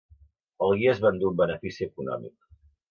El guia es va endur un benefici econòmic.